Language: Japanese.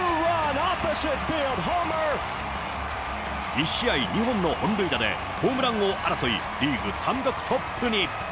１試合２本の本塁打で、ホームラン王争い、リーグ単独トップに。